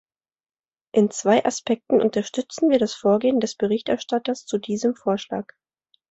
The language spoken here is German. In zwei Aspekten unterstützen wir das Vorgehen des Berichterstatters zu diesem Vorschlag.